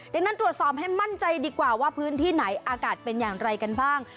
ดังนั้นตรวจสอบให้มั่นใจดีกว่าว่าพื้นที่ไหนอากาศเป็นอย่างไรกันบ้าง